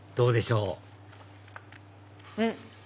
うん！